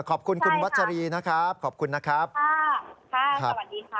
ขอบคุณคุณวัชรีนะครับขอบคุณนะครับค่ะสวัสดีค่ะ